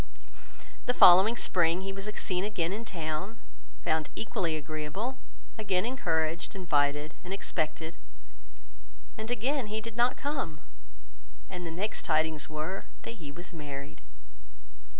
The following spring he was seen again in town, found equally agreeable, again encouraged, invited, and expected, and again he did not come; and the next tidings were that he was married.